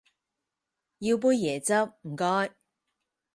要杯椰汁唔該